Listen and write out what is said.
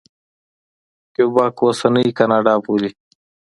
کیوبک اوسنۍ کاناډا بولي.